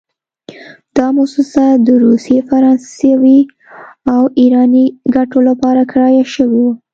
دا موسسه د روسي، فرانسوي او ایراني ګټو لپاره کرایه شوې وه.